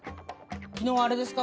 昨日あれですか。